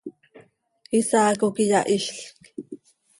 Isaaco quih iyahizlc.